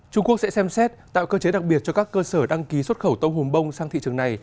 trung quốc sẽ xem xét tạo cơ chế đặc biệt cho các cơ sở đăng ký xuất khẩu tôm hùm bông sang thị trường này